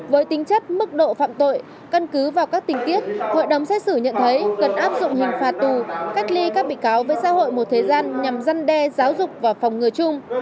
với tính chất mức độ phạm tội căn cứ vào các tình tiết hội đồng xét xử nhận thấy cần áp dụng hình phạt tù cách ly các bị cáo với xã hội một thời gian nhằm gian đe giáo dục và phòng ngừa chung